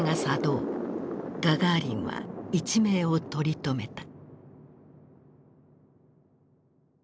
ガガーリンは一命を取り留めた。